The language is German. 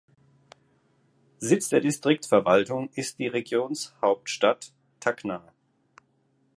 Sitz der Distriktverwaltung ist die Regionshauptstadt Tacna.